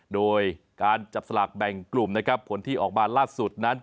โดยการจับสลากแบ่งกลุ่มนะครับผลที่ออกมาล่าสุดนั้น